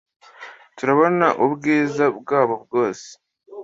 turabona ubwiza bwabo bwose